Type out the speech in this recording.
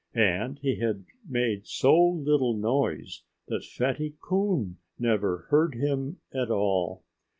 And he had made so little noise that Fatty Coon never heard him at all.